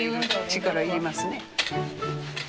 力要りますね。